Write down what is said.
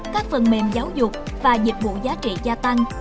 các phần mềm giáo dục và dịch vụ giá trị gia tăng